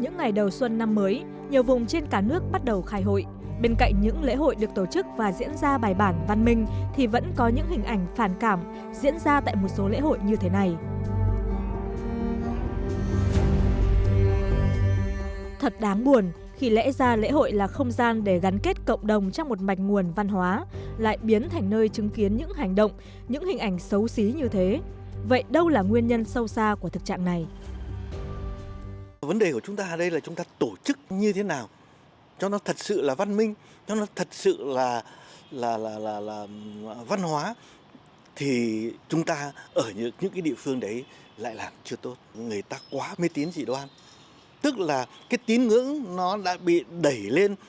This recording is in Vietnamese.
những hình ảnh xấu xí như thế vậy đâu là nguyên nhân sâu xa của thực trạng này